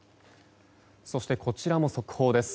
そして、こちらも速報です。